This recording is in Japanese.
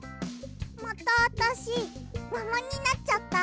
またあたしももになっちゃった。